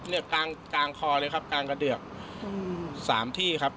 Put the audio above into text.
เนี่ยกลางคอเลยครับกลางกระเดือก๓ที่ครับ